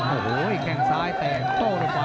โอ้โหแข้งซ้ายแตกโต้ด้วยขวา